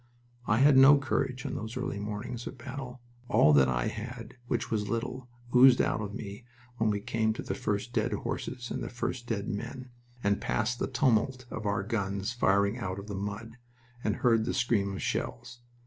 I had no courage on those early mornings of battle. All that I had, which was little, oozed out of me when we came to the first dead horses and the first dead men, and passed the tumult of our guns firing out of the mud, and heard the scream of shells.